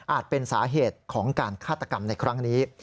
เป็นสาเหตุของการฆาตกรรมในครั้งนี้